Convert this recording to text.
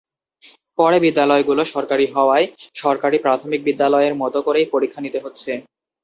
পরে বিদ্যালয়গুলো সরকারি হওয়ায় সরকারি প্রাথমিক বিদ্যালয়ের মতো করেই পরীক্ষা নিতে হচ্ছে।